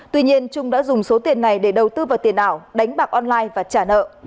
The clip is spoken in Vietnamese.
tuy nhiên trung đã dùng số tiền này để đầu tư vào tiền ảo đánh bạc online và trả nợ